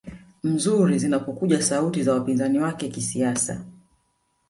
mzuri zinapokuja sauti za wapinzani wake kisiasa